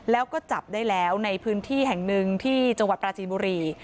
แล้วก็จับได้แล้วในพื้นที่แห่งหนึ่งที่จังหวัดปราจีนบุรี